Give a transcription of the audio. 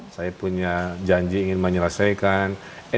saya punya janji ingin menyelesaikan